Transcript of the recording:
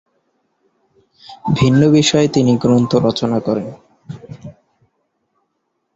ভিন্ন বিষয়ে তিনি গ্রন্থ রচনা করেন।